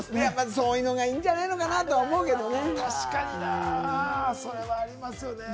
そういう方がいいじゃないかなと思うけどね。